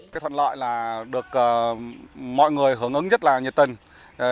cái thuận lợi là được mọi người hưởng ứng rất là nhiệt tình